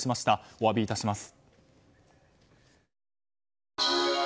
お詫びいたします。